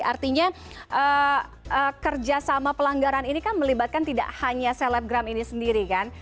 artinya kerjasama pelanggaran ini kan melibatkan tidak hanya selebgram ini sendiri kan